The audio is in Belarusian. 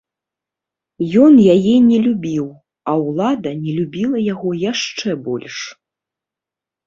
Ён яе не любіў, а ўлада не любіла яго яшчэ больш!